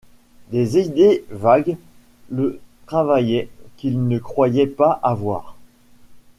Des idées vagues le travaillaient, qu’il ne croyait pas avoir.